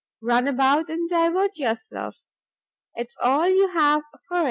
Run about and divert yourself, 'tis all you have for it.